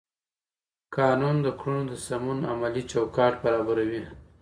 قانون د کړنو د سمون عملي چوکاټ برابروي.